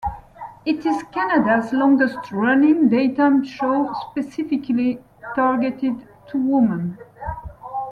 It is Canada's longest running, daytime show specifically targeted to women.